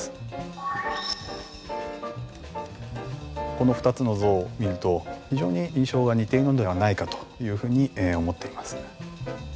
この２つの像を見ると非常に印象が似ているのではないかというふうに思っています。